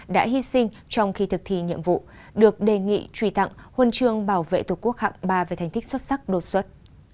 đã hy sinh trong khi thực thi nhiệm vụ được đề nghị truy tặng huân chương bảo vệ tổ quốc hạng ba về thành tích xuất sắc đột xuất